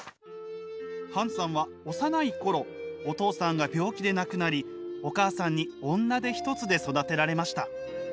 ハンさんは幼い頃お父さんが病気で亡くなりお母さんに女手一つで育てられました。